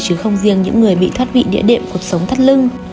chứ không riêng những người bị thoát vị địa đệm cuộc sống thắt lưng